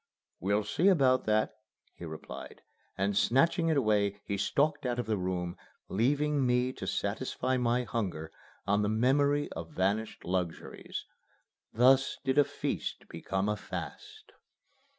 "We'll see about that," he replied, and, snatching it away, he stalked out of the room, leaving me to satisfy my hunger on the memory of vanished luxuries. Thus did a feast become a fast.